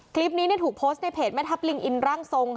คลิปนี้ถูกโพสต์ในเพจแม่ทัพลิงอินร่างทรง